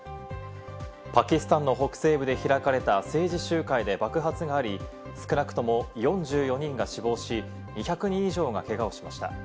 パキスタンの北西部で開かれた政治集会で爆発があり、少なくとも４４人が死亡し、２００人以上がけがをしました。